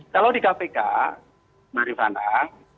kalau di kpk marifandang